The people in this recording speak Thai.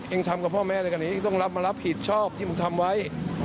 เองทำกับพ่อแม่ในการนี้ต้องรับมารับผิดชอบที่มันทำไว้